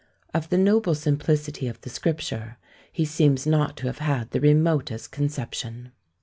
Of the noble simplicity of the Scripture he seems not to have had the remotest conception.